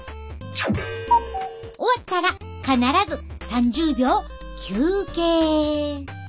終わったら必ず３０秒休憩。